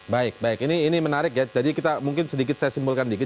baik baik ini menarik ya jadi kita mungkin sedikit saya simpulkan dikit